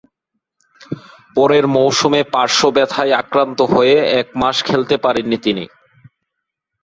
পরের মৌসুমে পার্শ্ব ব্যথায় আক্রান্ত হয়ে এক মাস খেলতে পারেননি তিনি।